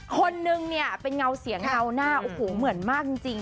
คนนึงเนี่ยเป็นเงาเสียงเงาหน้าโอ้โหเหมือนมากจริง